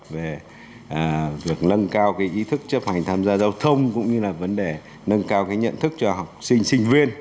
về việc nâng cao ý thức chấp hành tham gia giao thông cũng như là vấn đề nâng cao nhận thức cho học sinh sinh viên